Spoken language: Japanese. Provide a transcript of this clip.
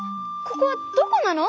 ここはどこなの？